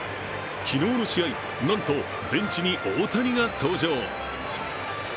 昨日の試合、なんとベンチに大谷が登場。